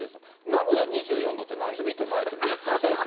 名古屋２４度って、夏日手前って。